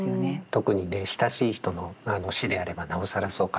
特にね親しい人の死であればなおさらそうかもしれませんね。